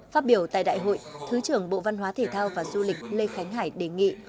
phát biểu tại đại hội thứ trưởng bộ văn hóa thể thao và du lịch lê khánh hải đề nghị